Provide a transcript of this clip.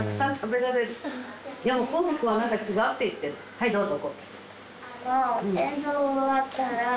はいどうぞ。